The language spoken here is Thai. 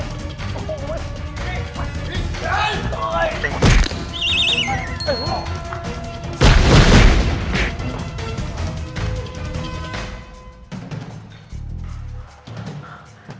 พี่ไอ้ชาย